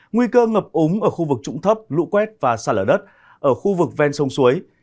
nguy cơ ngập úng ở khu vực trụng thấp lũ quét và xa lở đất ở khu vực ven sông suối